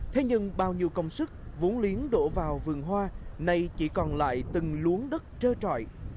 thế nhưng bao nhiêu công sức vốn liếng đổ vào vườn hoa nay chỉ còn lại từng luống đất trơ trọi